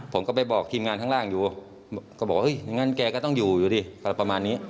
ผมก็ไปบอกทีมงานข้างล่างอยู่ก็บอกเฮ้ยอย่างนั้นแกก็ต้องอยู่อยู่ดิอะไรประมาณนี้